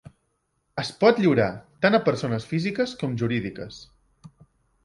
Es pot lliurar tant a persones físiques com jurídiques.